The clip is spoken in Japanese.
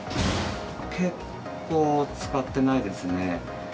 結構使ってないですね。